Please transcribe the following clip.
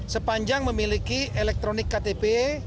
sepanjang memiliki elektronik ktp